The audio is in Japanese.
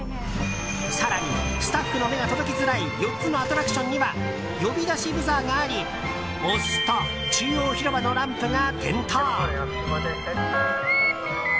更に、スタッフの目が届きづらい４つのアトラクションには呼び出しブザーがあり押すと、中央広場のランプが点灯。